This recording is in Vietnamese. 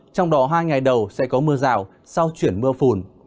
trong đó hai ngày đầu sẽ có mưa rào sau chuyển mưa phùn